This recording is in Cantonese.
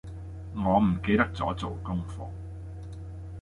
我唔記得咗做功課